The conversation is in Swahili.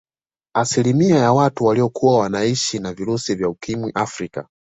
Asilimia ya watu waliokuwa wanaishi na virusi vya Ukimwi Afrika